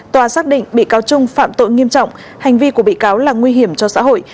tòa xác định bị cáo trung phạm tội nghiêm trọng hành vi của bị cáo là nguy hiểm cho xã hội